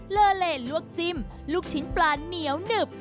เลอเลลวกจิ้มลูกชิ้นปลาเหนียวหนึบ